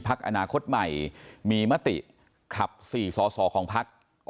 พักอนาคตใหม่มีมะติขับ๔สอส